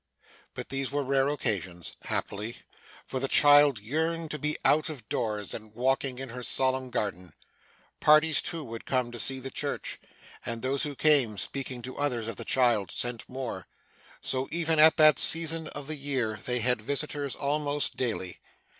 But these were rare occasions, happily; for the child yearned to be out of doors, and walking in her solemn garden. Parties, too, would come to see the church; and those who came, speaking to others of the child, sent more; so even at that season of the year they had visitors almost daily.